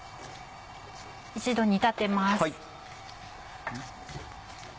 一度煮立てます。